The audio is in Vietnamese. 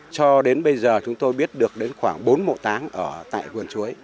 cho đến bây giờ chúng tôi biết được đến khoảng bốn mộ táng ở tại vườn chuối